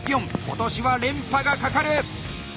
今年は連覇がかかる！